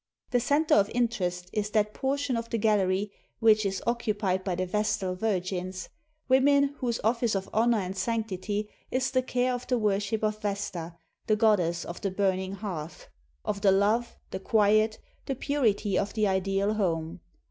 The center of interest is that portion of the gallery which is occupied by the Vestal Virgins, women whose office of honor and sanctity is the care of the worship of Vesta, the goddess of the burning hearth, xxiv INTRODUCTION of the love, the quiet, the purity of the ideal home.